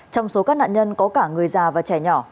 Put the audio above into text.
trong số các nạn nhân có cả người già và trẻ nhỏ